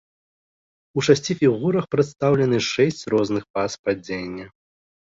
У шасці фігурах прадстаўлены шэсць розных фаз падзення.